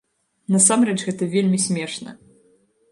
Насамрэч гэта вельмі смешна!